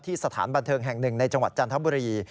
สถานบันเทิงแห่งหนึ่งในจังหวัดจันทบุรี